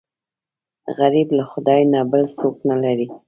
غریب له خدای نه بل څوک نه لري